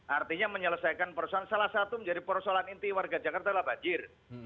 artinya menyelesaikan persoalan salah satu menjadi persoalan inti warga jakarta adalah banjir